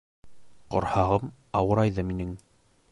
Ҡорһағым ауырайҙы минең.